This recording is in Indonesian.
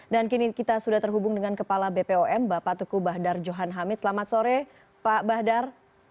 dan kini kita sudah terhubung dengan kepala bpom bapak tuku bahdar johan hamid selamat sore pak bahdar